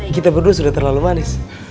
kita berdua sudah terlalu manis